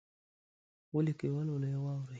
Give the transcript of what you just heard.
ولیکئ، ولولئ او واورئ!